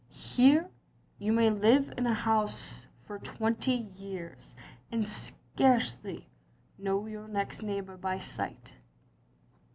" Here you may live in a house for twenty years, and scarcely know yoiu: next door neighbour by sight."